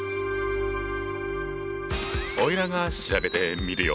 おいらが調べてみるよ。